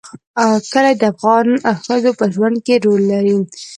کلي د افغان ښځو په ژوند کې رول لري.